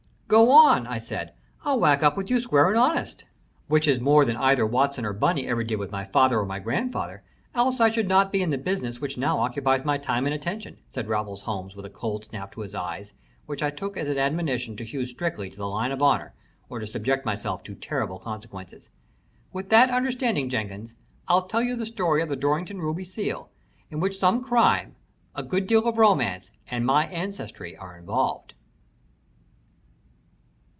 "Go on!" I said. "I'll whack up with you square and honest." "Which is more than either Watson or Bunny ever did with my father or my grandfather, else I should not be in the business which now occupies my time and attention," said Raffles Holmes with a cold snap to his eyes which I took as an admonition to hew strictly to the line of honor, or to subject myself to terrible consequences. "With that understanding, Jenkins, I'll tell you the story of the Dorrington Ruby Seal, in which some crime, a good deal of romance, and my ancestry are involved."